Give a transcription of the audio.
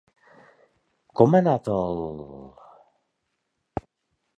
Com ha anat el...?